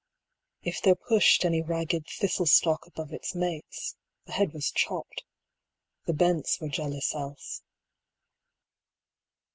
If there pushed any ragged thistle stalk Above its mates, the head was chopped; the bents Were jealous else.